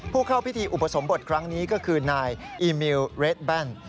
ผู้เข้าพิธีอุปสมบทครั้งนี้ก็คือนายอีมิวเรดแบน